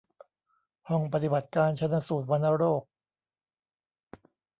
ห้องปฏิบัติการชันสูตรวัณโรค